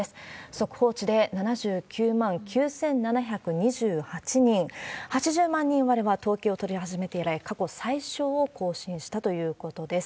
速報値で７９万９７２８人、８０万人割れは統計を取り始めて以来、過去最少を更新したということです。